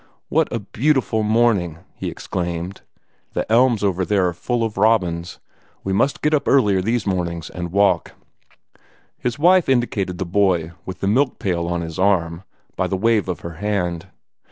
"What a beautiful morning!" he exclaimed. "The elms over there are full of robins. We must get up earlier these mornings, and take some walks." His wife indicated the boy with the milk pail on his arm, by a wave of her hand.